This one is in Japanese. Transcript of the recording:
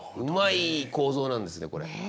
うまい構造なんですねこれ。